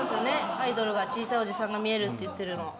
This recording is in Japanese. アイドルが「小さいおじさんが見える」って言ってるの。